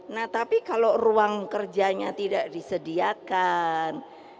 nah tapi kalau ruang kerjanya tidak disediakan